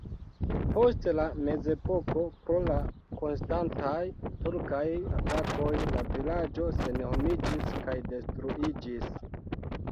Post la mezepoko pro la konstantaj turkaj atakoj la vilaĝo senhomiĝis kaj detruiĝis.